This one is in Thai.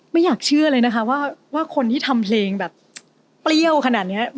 ไม่อยากเชื่อเลยนะคะว่าคนที่ทำเพลงแบบเปรี้ยวขนาดนี้